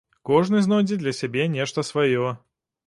Кожны знойдзе для сябе нешта сваё.